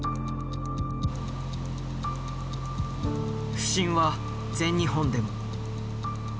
不振は全日本でも。